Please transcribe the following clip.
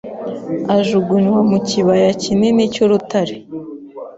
Ajugunywa mu kibaya kinini cy'urutare